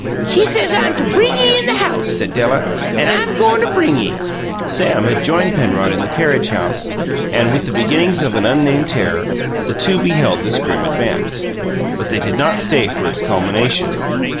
"She says I'm to bring ye in the house," said Della, "an' I'm goin' to bring ye!" Sam had joined Penrod in the carriage house, and, with the beginnings of an unnamed terror, the two beheld this grim advance. But they did not stay for its culmination.